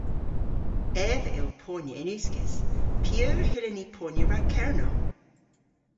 Ev a yll ponya yn uskis. P'eur hyllyn ni ponya rag Kernow?